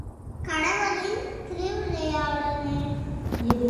இதுவும் கடவுளின் திருவிளையாடலே.